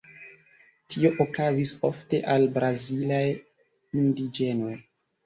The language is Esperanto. Tio okazis ofte al brazilaj indiĝenoj.